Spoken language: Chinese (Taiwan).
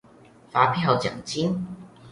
發票獎金